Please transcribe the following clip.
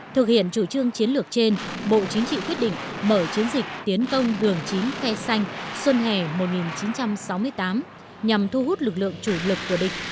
thực hiện chủ trương chiến lược trên bộ chính trị quyết định mở chiến dịch tiến công vườn chín khe xanh xuân hè một nghìn chín trăm sáu mươi tám nhằm thu hút lực lượng chủ lực của địch